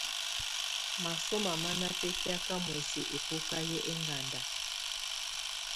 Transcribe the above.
Masọmá má ná bɛ́kɛ̀áká muɛsɛ ɛ́bɔ́ká yɛ́ ɛŋganda.